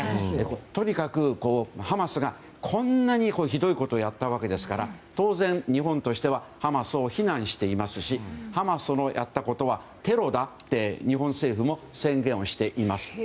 とにかくハマスがこんなにひどいことをやったわけですから当然、日本としてはハマスを非難していますしハマスのやったことはテロだって日本政府も宣言をしています。